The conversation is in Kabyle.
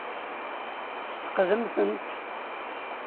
Tesfeqdemt-tent?